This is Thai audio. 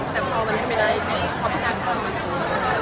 เป็นการถ่ายภาพแบบนั้นประมาณนั้นค่ะ